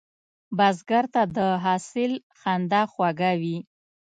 بزګر ته د حاصل خندا خوږه وي